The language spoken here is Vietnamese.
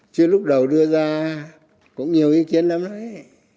chứ lúc đầu đưa ra cũng nhiều ý kiến lắm đó đấy